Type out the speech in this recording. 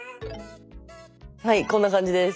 はいこんな感じです。